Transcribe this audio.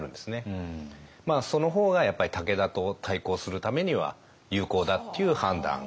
その方が武田と対抗するためには有効だっていう判断。